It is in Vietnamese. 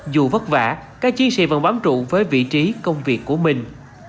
dù vất vả các chiến sĩ vẫn bám trụ với vị trí công việc của mình